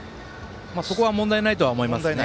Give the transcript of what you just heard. そこは問題ないと思います。